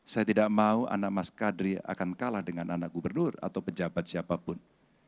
saya tidak mau anak mas kadri akan kalah dengan anak gubernur atau pejabat siapapun